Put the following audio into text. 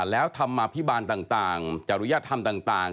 แล้วธรรมาภิบาลต่างจริยธรรมต่าง